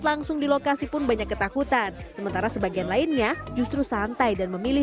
langsung di lokasi pun banyak ketakutan sementara sebagian lainnya justru santai dan memilih